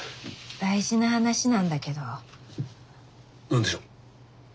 大事な話なんだけど。何でしょう？